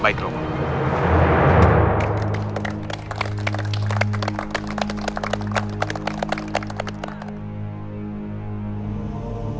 pada tanggung jawab